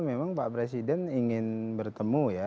memang pak presiden ingin bertemu ya